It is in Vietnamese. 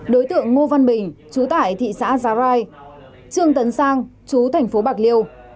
đối tượng ngô văn bình chú tải thị xã già rai trương tấn sang chú thành phố bạc liêu